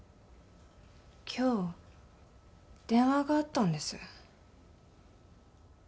今日電話があったんです。